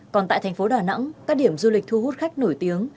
còn tại thành phố đà nẵng các điểm du lịch thu hút khách nổi tiếng